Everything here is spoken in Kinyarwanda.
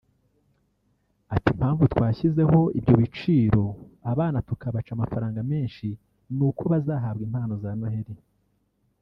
Ati “Impamvu twashyizeho ibyo biciro abana tukabaca amafaranga menshi ni uko bazahabwa impano za Noheli